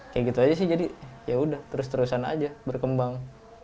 kayak gitu aja sih jadi yaudah terus terusan aja berkembang